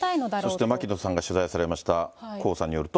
そして牧野さんが取材されましたコさんによると。